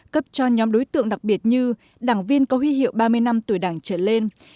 cấp cho nhóm đối tượng đặc biệt như đảng viên có huy hiệu ba mươi năm tuổi đảng trở lên